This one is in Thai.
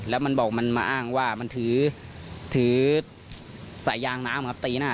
แล้วมันบอกมันมาอ้างว่ามันถือถือสายยางน้ำครับตีหน้า